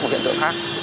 một hiện tượng khác